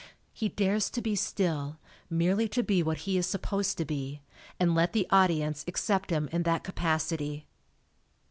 He dares to be still, merely to be what he is supposed to be, and let the audience accept him in that capacity.